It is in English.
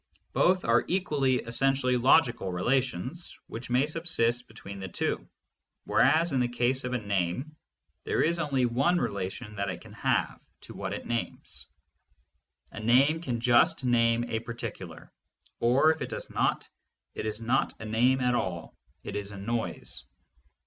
Both are equally essentially logical rela tions which may subsist between the two, whereas in the case of a name, there is only one relation that it can have 508 THE MONIST. to what it names. A name can just name a particular, or, if it does not, it is not a name at all, it is a noise.